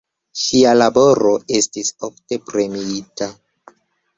Ŝia laboro estis ofte premiita.